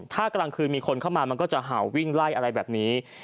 ถ้ากลางคืนมีคนเข้ามามันก็จะเห่าวิ่งไล่อะไรแบบนี้